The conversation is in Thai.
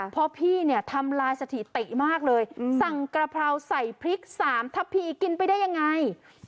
เพราะพี่เนี่ยทำลายสถิติมากเลยสั่งกระเพราใส่พริก๓ทับพีกินไปได้ยังไง